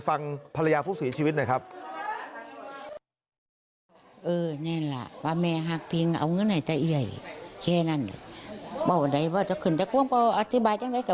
ฟังภรรยาผู้เสียชีวิตหน่อยครับ